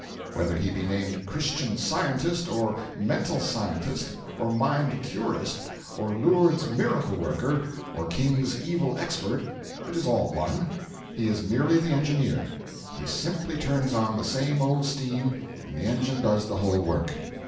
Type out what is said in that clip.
Whether he be named Christian Scientist, or Mental Scientist, or Mind Curist, or Lourdes Miracle Worker, or King's Evil Expert, it is all one, he is merely the Engineer, he simply turns on the same old steam and the engine does the whole work.